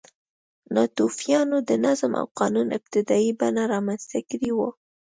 ناتوفیانو د نظم او قانون ابتدايي بڼه رامنځته کړې وه.